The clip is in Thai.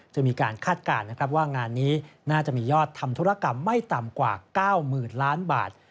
มีการคาดการณ์นะครับว่างานนี้น่าจะมียอดทำธุรกรรมไม่ต่ำกว่า๙๐๐๐ล้านบาท